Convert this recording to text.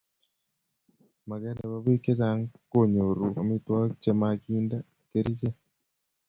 Magee ne bo biik che chang ko konyoru amitokik che makinte keriche